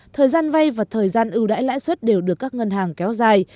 thời gian vay và thời gian ưu đãi lãi suất đều được các ngân hàng kéo dài